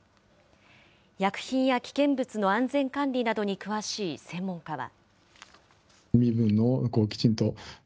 薬品や危険物の安全管理などに詳しい専門家は。